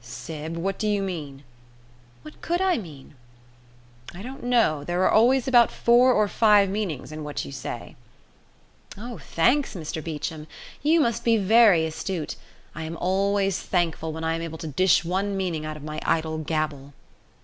"Syb, what do you mean?" "What could I mean?" "I don't know. There are always about four or five meanings in what you say." "Oh, thanks, Mr Beecham! You must be very astute. I am always thankful when I am able to dish one meaning out of my idle gabble."